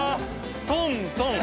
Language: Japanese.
トントン。